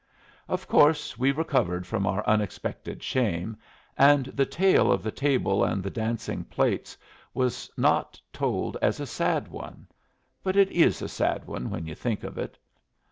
Of course we recovered from our unexpected shame, and the tale of the table and the dancing plates was not told as a sad one. But it is a sad one when you think of it.